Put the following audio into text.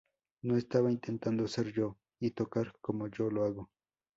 No estaba intentando ser yo y tocar como yo lo hago.